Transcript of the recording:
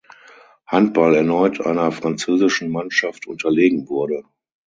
Handball erneut einer französischen Mannschaft unterlegen wurde.